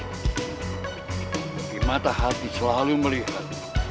di mata hati selalu melihat